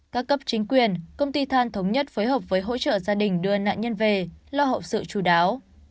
các cấp chính quyền công ty than thống nhất phối hợp với hỗ trợ gia đình đưa nạn nhân về lo hậu sự chú đáo